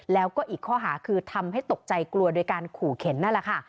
แล้วก็อีกข้อหาคือทำให้ตกใจกลัวโดยการขู่เข็นนั่นแหละค่ะ